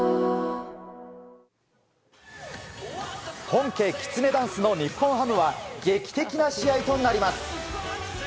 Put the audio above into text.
本家きつねダンスの日本ハムは劇的な試合となります。